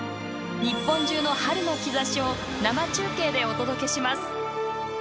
日本中の春の兆しを生中継でお届けします。